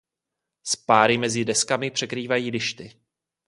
Spáry mezi deskami překrývají lišty.